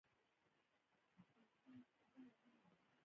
خر د سړي په کارونو کې ډیره مرسته کوله.